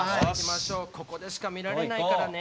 ここでしか見られないからね。